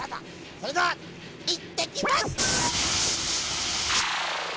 それではいってきます。